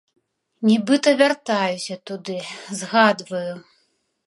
Нібы вяртаюся туды, згадваю.